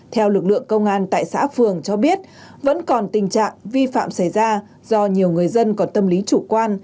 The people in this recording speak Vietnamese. theo lực lượng công an tại xã phường cho biết vẫn còn tình trạng vi phạm xảy ra do nhiều người dân còn tâm lý chủ quan